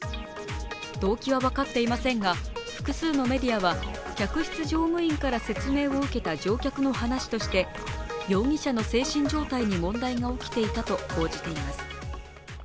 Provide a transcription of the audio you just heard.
動機は分かっていませんが複数のメディアは客室乗務員から説明を受けた乗客の話として、容疑者の精神状態に問題が起きていたと報じています。